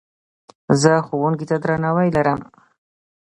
زه ښوونکي ته درناوی لرم.